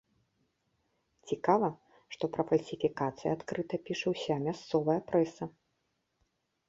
Цікава, што пра фальсіфікацыі адкрыта піша ўся мясцовая прэса.